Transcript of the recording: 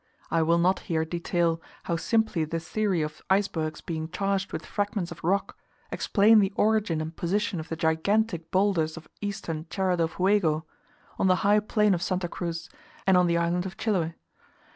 I will not here detail how simply the theory of icebergs being charged with fragments of rock, explain the origin and position of the gigantic boulders of eastern Tierra del Fuego, on the high plain of Santa Cruz, and on the island of Chiloe.